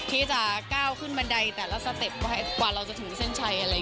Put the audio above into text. ที่จะก้าวขึ้นบันไดแต่ละสเต็ปให้กว่าเราจะถึงเส้นชัย